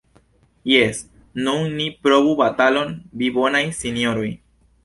Jes, nun ni provu batalon, vi bonaj sinjoroj!